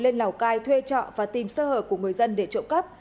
lên lào cai thuê trọ và tìm sơ hở của người dân để trộm cắp